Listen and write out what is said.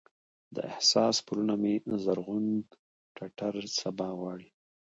د احساس پلونه مې زرغون ټټر سبا غواړي